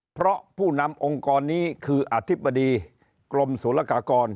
เพราะผู้นำองค์กรนี้คืออธิบดีกรมศูนยากากร